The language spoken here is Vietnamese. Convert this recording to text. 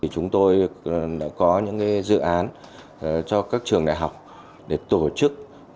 chúng tôi đã có những dự án cho các trường đại học để tổ chức